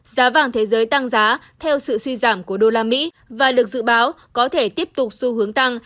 giá vàng thế giới tăng giá theo sự suy giảm của đô la mỹ và được dự báo có thể tiếp tục xu hướng tăng